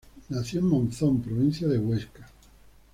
Nació en Monzón, provincia de Huesca.